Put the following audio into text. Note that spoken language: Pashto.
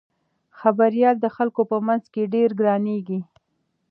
خبریال د خلکو په منځ کې ډېر ګرانیږي.